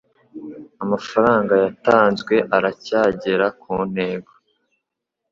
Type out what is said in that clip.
Amafaranga yatanzwe aracyagera ku ntego.